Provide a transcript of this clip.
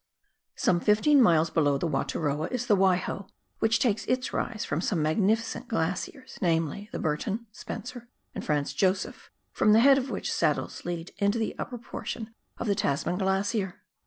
Some fifteen miles below the Wataroa is the Waiho, which takes its rise from some magnificent glaciers, namely, the Burton, Spencer, and Franz Josef, from the head of which saddles lead into the upper portion of the Tasman glacier.